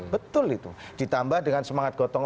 betul itu ditambah dengan semangat gotong